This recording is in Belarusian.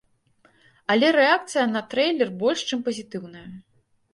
Але рэакцыя на трэйлер больш чым пазітыўная.